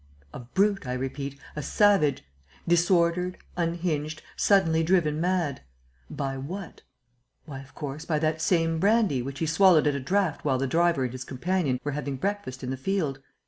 "A brute, I repeat, a savage; disordered, unhinged, suddenly driven mad. By what? Why, of course, by that same brandy, which he swallowed at a draught while the driver and his companion were having breakfast in the field.